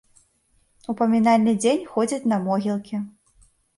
У памінальны дзень ходзяць на могілкі.